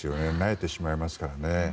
萎えてしまいますからね。